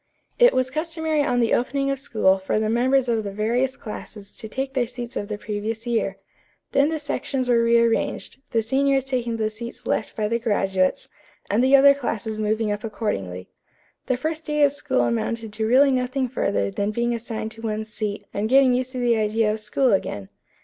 It was customary on the opening of school for the members of the various classes to take their seats of the previous year. Then the sections were rearranged, the seniors taking the seats left by the graduates, and the other classes moving up accordingly. The first day of school amounted to really nothing further than being assigned to one's seat and getting used to the idea of school again.